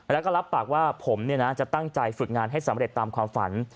แล้วก็รับปากว่าผมจะตั้งใจฝึกงานให้สำเร็จตามความฝัน